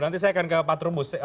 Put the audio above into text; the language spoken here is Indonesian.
nanti saya akan ke patrumus